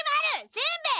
しんべヱ！